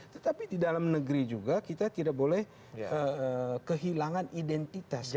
tetapi di dalam negeri juga kita tidak boleh kehilangan identitas